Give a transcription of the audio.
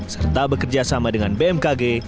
serta bekerjasama dengan bmkg